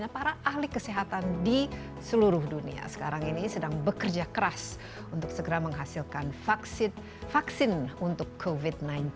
para ahli kesehatan di seluruh dunia sekarang ini sedang bekerja keras untuk segera menghasilkan vaksin untuk covid sembilan belas